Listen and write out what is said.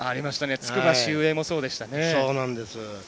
つくば秀英もそうでしたね。